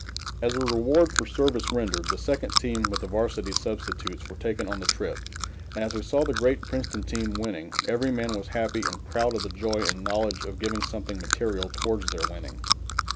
As a reward for service rendered, the second team with the Varsity substitutes were taken on the trip, and as we saw the great Princeton team winning, every man was happy and proud of the joy and knowledge of giving something material towards their winning.